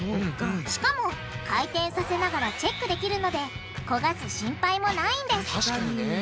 しかも回転させながらチェックできるので焦がす心配もないんです